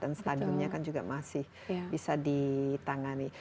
dan stadiumnya kan juga masih bisa ditangani